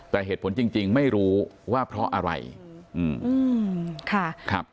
แต่เหตุผลจริงจริงไม่รู้ว่าเพราะอะไรอืมค่ะครับ